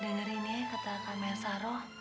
dengerin ya kata kamer saroh